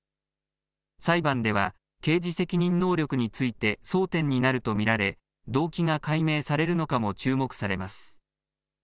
裁判では、刑事責任能力について争点になると見られ、動機が解明されるのかも注目されます。